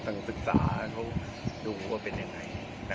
ศึกษาเขาดูว่าเป็นยังไง